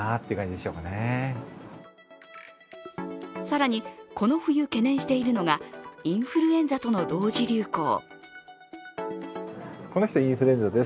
更に、この冬懸念しているのがインフルエンザとの同時流行。